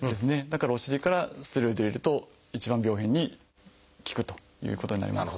だからお尻からステロイドを入れると一番病変に効くということになります。